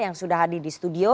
yang sudah hadir di studio